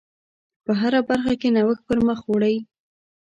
په هره برخه کې نوښت پر مخ وړئ.